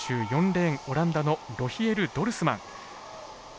４レーンオランダのロヒエル・ドルスマン。